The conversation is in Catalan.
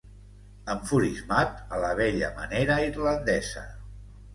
Enfurismat a la vella manera irlandesa.